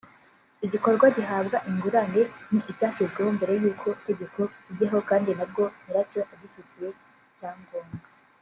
igikorwa gihabwa ingurane ni icyahashyizwe mbere y’uko tegeko rijyaho kandi nabwo nyiracyo agifitiye ibyangombwa